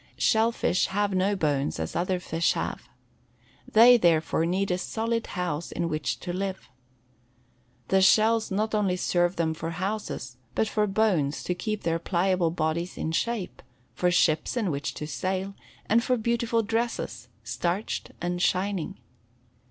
Shell fish have no bones as other fish have. They, therefore, need a solid house in which to live. The shells not only serve them for houses, but for bones to keep their pliable bodies in shape, for ships in which to sail, and for beautiful dresses, starched and shining.